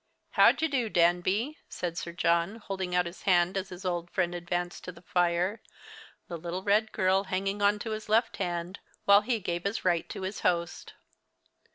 "How d'ye do, Danby?" said Sir John, holding out his hand as his old friend advanced to the fire, the little red girl hanging on to his left hand, while he gave his right to his host.